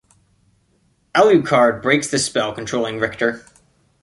Alucard breaks the spell controlling Richter.